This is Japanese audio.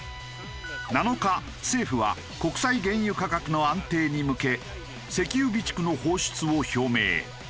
７日政府は国際原油価格の安定に向け石油備蓄の放出を表明。